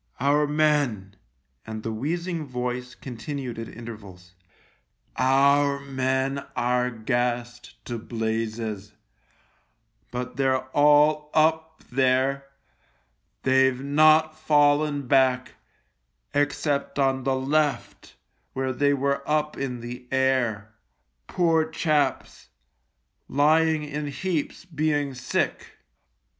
" Our men," and the wheezing voice continued at intervals, " our men are gassed to blazes, but they're all up there. They've not fallen back except on the left, where they were up in the air. Poor chaps ! Lying in heaps being sick.